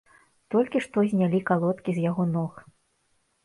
Толькі што знялі калодкі з яго ног.